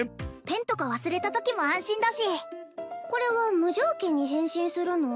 ペンとか忘れたときも安心だしこれは無条件に変身するの？